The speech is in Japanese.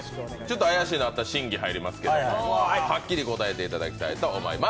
ちょっと怪しいのあったら審議入りますので、はっきり答えていただきたいと思います